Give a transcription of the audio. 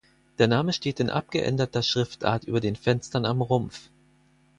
Der Name steht in abgeänderter Schriftart über den Fenstern am Rumpf.